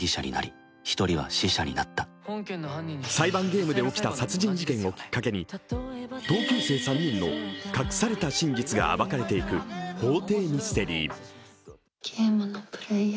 裁判ゲームで起きた殺人事件をきっかけに同級生３人の隠された真実が暴かれていく法廷ミステリー。